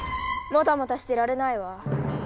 もたもたしてられないわ。